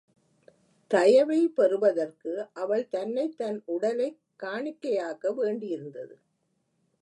தயவை பெறுவதற்கு அவள் தன்னை தன் உடலை காணிக்கையாக்க வேண்டியிருந்தது.